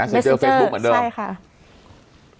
เมสเซ็จเจอร์เฟซบุ๊กเหมือนเดิมใช่ค่ะเมสเซ็จเจอร์เฟซบุ๊กเหมือนเดิม